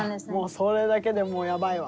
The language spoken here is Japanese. それだけでもうやばいわ。